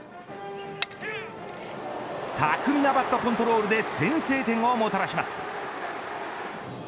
巧みなバットコントロールで先制点をもたらします。